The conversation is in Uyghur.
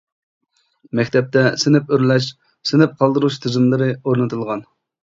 مەكتەپتە سىنىپ ئۆرلەش، سىنىپ قالدۇرۇش تۈزۈملىرى ئورنىتىلغان.